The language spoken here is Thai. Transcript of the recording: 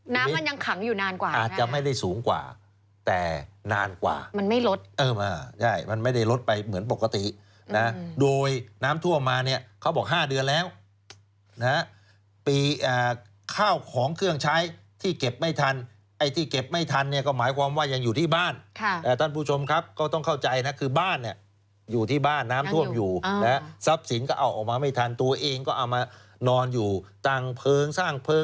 น้ำมันยังขังอยู่นานกว่าอาจจะไม่ได้สูงกว่าแต่นานกว่ามันไม่ลดเออมาใช่มันไม่ได้ลดไปเหมือนปกตินะโดยน้ำท่วมมาเนี่ยเขาบอก๕เดือนแล้วนะปีข้าวของเครื่องใช้ที่เก็บไม่ทันไอ้ที่เก็บไม่ทันเนี่ยก็หมายความว่ายังอยู่ที่บ้านค่ะแต่ท่านผู้ชมครับก็ต้องเข้าใจนะคือบ้านเนี่ยอยู่ที่บ้านน้ำท่วมอยู่นะทรัพย์ส